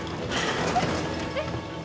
えっ。